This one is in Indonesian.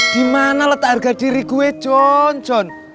dimana letak harga diri gue john john